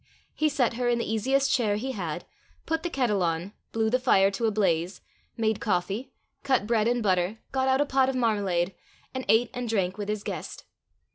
He set her in the easiest chair he had, put the kettle on, blew the fire to a blaze, made coffee, cut bread and butter, got out a pot of marmalade, and ate and drank with his guest.